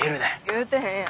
言うてへんやん。